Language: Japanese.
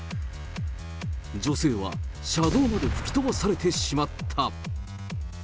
女性は車道まで吹き飛ばされてしまった。